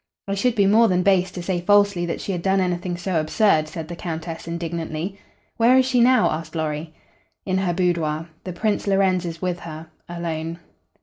"I should be more than base to say falsely that she had done anything so absurd," said the Countess, indignantly. "Where is she now?" asked Lorry. "In her boudoir. The Prince Lorenz is with her alone."